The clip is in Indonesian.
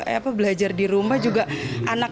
anaknya tidak berpengalaman